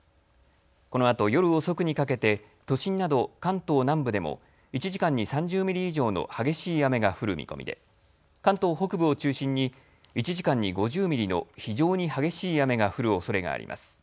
このあと夜遅くにかけて都心など関東南部でも１時間に３０ミリ以上の激しい雨が降る見込みで関東北部を中心に１時間に５０ミリの非常に激しい雨が降るおそれがあります。